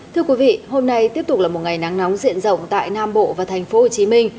thưa quý vị hôm nay tiếp tục là một ngày nắng nóng diện rộng tại nam bộ và thành phố hồ chí minh